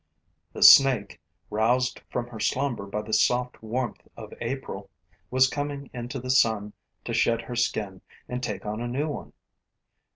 The snake, roused from her slumber by the soft warmth of April, was coming into the sun to shed her skin and take on a new one.